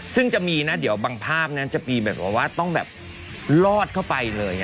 ซึ่งจะมีนะเดี๋ยวบางภาพนั้นจะมีแบบว่าต้องแบบลอดเข้าไปเลย